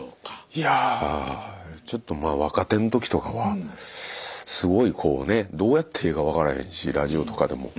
いやちょっとまあ若手の時とかはすごいこうねどうやってええか分からへんしラジオとかでも。